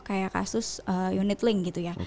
kayak kasus unit link gitu ya